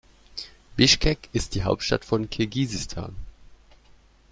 Bischkek ist die Hauptstadt von Kirgisistan.